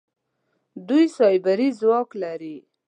دوی سايبري ځواک لري.